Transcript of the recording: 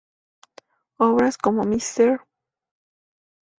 Obras como: "Mr.